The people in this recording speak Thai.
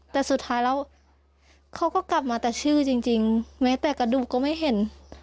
แต่สุดท้ายแล้วเขาก็กลับมาแต่ชื่อจริงแม้แต่กระดูกก็ไม่เห็น